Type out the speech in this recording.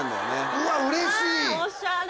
うわうれしい！